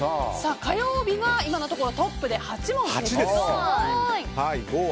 火曜日が今のところトップで８問です。